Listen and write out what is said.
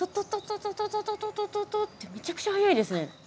トトトトってめちゃくちゃ速いですね。